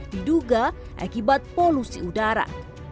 diduga akibat polusi udara